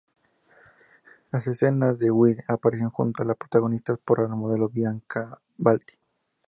Las escenas de Will aparecen junto a las protagonizadas por la modelo Bianca Balti.